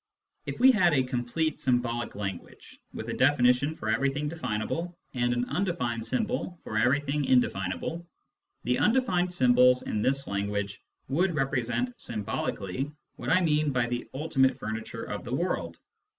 If we had a complete symbolic language, with a definition for everything definable, and an undefined symbol for everything indefinable, the undefined symbols in this language would repre sent symbolically what I mean by " the ultimate furniture of the world."